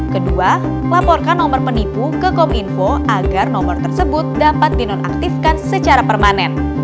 kedua laporkan nomor penipu ke kominfo agar nomor tersebut dapat dinonaktifkan secara permanen